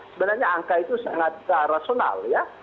sebenarnya angka itu sangat rasional ya